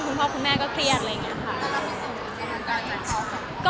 เพราะฉะนั้นคุณพ่อคุณแม่ก็เครียดอะไรอย่างนี้ค่ะ